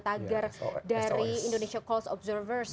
tagar dari indonesia coast observer gitu